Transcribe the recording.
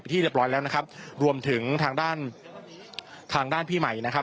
ที่เรียบร้อยแล้วนะครับรวมถึงทางด้านทางด้านพี่ใหม่นะครับ